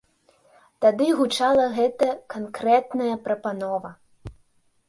Тады гучала гэта канкрэтная прапанова.